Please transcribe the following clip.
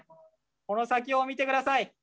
この先を見てください。